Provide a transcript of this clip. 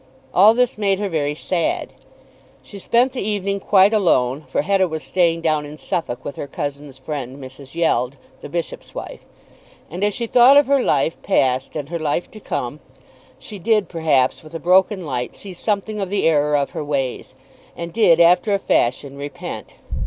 All this made her very sad. She spent the evening quite alone; for Hetta was staying down in Suffolk, with her cousin's friend, Mrs. Yeld, the bishop's wife; and as she thought of her life past and her life to come, she did, perhaps, with a broken light, see something of the error of her ways, and did, after a fashion, repent.